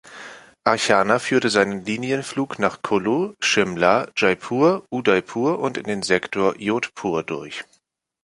Archana führte seinen Linienflug nach Kullu, Shimla, Jaipur, Udaipur und in den Sektor Jodhpur durch.